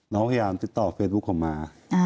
น้องพยายามติดต่อเฟซบุ๊คเขามา